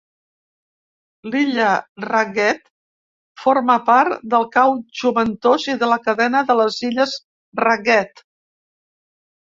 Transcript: L'illa Ragged forma part del cau Jumentos i de la cadena de les illes Ragged.